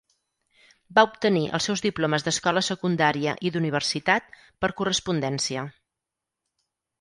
Va obtenir els seus diplomes d'escola secundària i d'universitat per correspondència.